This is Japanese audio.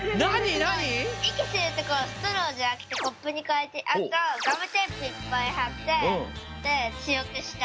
いきすうところをストローじゃなくてコップにかえてあとガムテープいっぱいはってつよくした。